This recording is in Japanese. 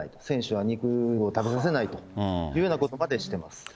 選手は肉を食べさせないというようなことまでしてます。